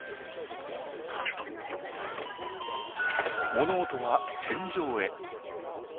物音は天井へ。